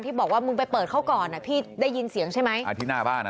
ที่บอกว่ามึงไปเปิดเขาก่อนพี่ได้ยินเสียงใช่ไหม